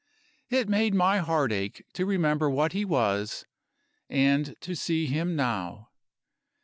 It made my heart ache to remember what he was and to see him now.